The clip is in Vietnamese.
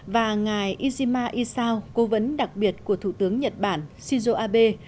và ngài izima isao cố vấn đặc biệt của thủ tướng nhật bản shizu abe